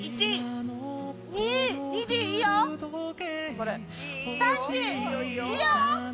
いいよ！